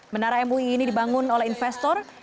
menara mui ini dibangun oleh investor